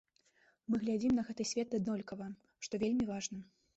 Мы глядзім на гэты свет аднолькава, што вельмі важна.